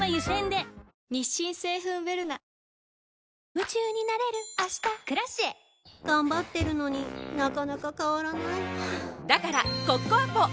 夢中になれる明日「Ｋｒａｃｉｅ」頑張ってるのになかなか変わらないはぁだからコッコアポ！